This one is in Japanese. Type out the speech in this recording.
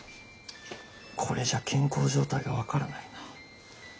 これじゃ健康状態が分からないな。